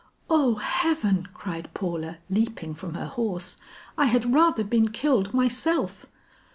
"O heaven!" cried Paula leaping from her horse, "I had rather been killed myself."